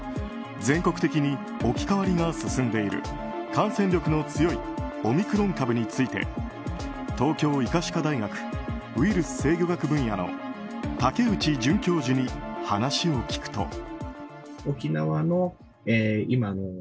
全国的に置き換わりが進んでいる感染力の強いオミクロン株について東京医科歯科大学ウイルス制御学分野の武内准教授に話を聞くと。